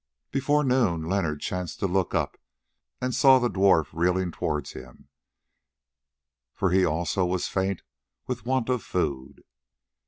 Before noon Leonard chanced to look up, and saw the dwarf reeling towards him, for he also was faint with want of food.